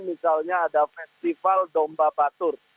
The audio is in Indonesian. misalnya ada festival domba batur